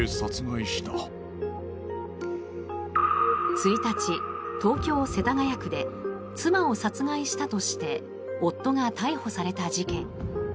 １日、東京・世田谷区で妻を殺害したとして夫が逮捕された事件。